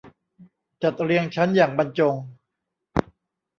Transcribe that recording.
จัดเรียงชั้นอย่างบรรจง